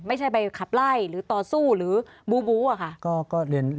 ไม่ใช่ไปขับไล่หรือต่อสู้หรือบู๊อะค่ะ